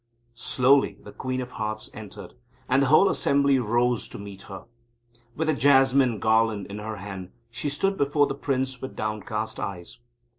Slowly the Queen of Hearts entered, and the whole assembly rose to greet her. With a jasmine garland in her hand, she stood before the Prince with downcast eyes.